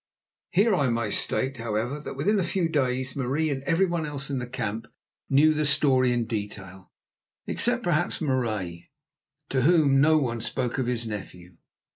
Here I may state, however, that within a few days Marie and everyone else in the camp knew the story in detail, except perhaps Marais, to whom no one spoke of his nephew.